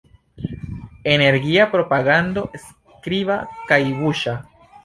Energia propagando skriba kaj buŝa.